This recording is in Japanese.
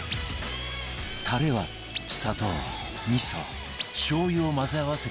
タレは砂糖味噌しょう油を混ぜ合わせていき